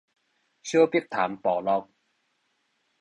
小碧潭部落